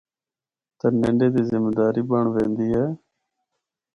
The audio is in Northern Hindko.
تے ننڈے دی ذمہ داری بنڑ ویندی اے۔